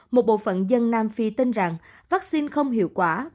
một bộ phận dân nam phi tin rằng vaccine không hiệu quả